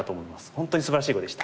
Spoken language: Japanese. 本当にすばらしい碁でした。